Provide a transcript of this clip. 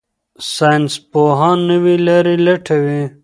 ساینسپوهان نوې لارې لټوي.